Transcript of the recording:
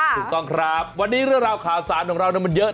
ถูกต้องครับวันนี้เรื่องราวข่าวสารของเรามันเยอะ